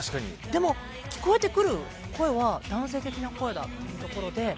でも聴こえてくる声は男性的な声だということで。